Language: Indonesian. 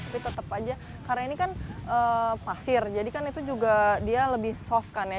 tapi tetap aja karena ini kan pasir jadi kan itu juga dia lebih soft kan ya